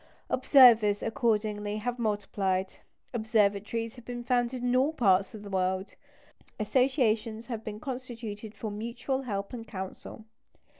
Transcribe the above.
Observers, accordingly, have multiplied; observatories have been founded in all parts of the world; associations have been constituted for mutual help and counsel.